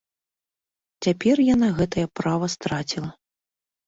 Цяпер яна гэтае права страціла.